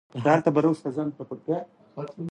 مېوې د افغان ماشومانو د لوبو یوه جالبه موضوع ده.